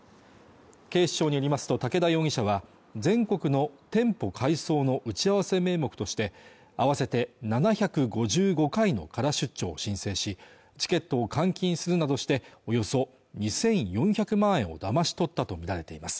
警視庁によりますと武田容疑者は全国の店舗改装の打ち合わせ名目として合わせて７５５回のカラ出張を申請しチケットを換金するなどしておよそ２４００万円をだまし取ったと見られています